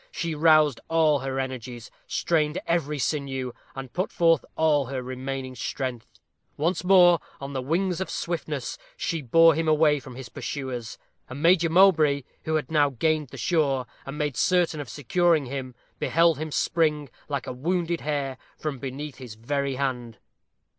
She roused all her energies; strained every sinew, and put forth all her remaining strength. Once more, on wings of swiftness, she bore him away from his pursuers, and Major Mowbray, who had now gained the shore, and made certain of securing him, beheld him spring, like a wounded hare, from beneath his very hand.